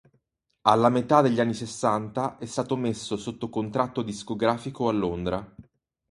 Alla metà degli anni sessanta è stato messo sotto contratto discografico a Londra.